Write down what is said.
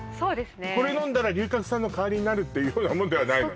これ飲んだら龍角散の代わりになるっていうものではないのね